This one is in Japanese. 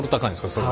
それは。